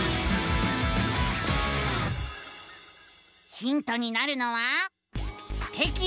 ヒントになるのは「テキシコー」。